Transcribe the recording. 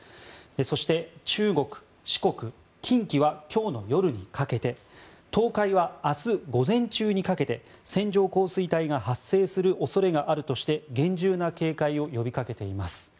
そして、中国、四国、近畿は今日の夜にかけて東海は明日午前中にかけて線状降水帯が発生する恐れがあるとして厳重な警戒を呼びかけています。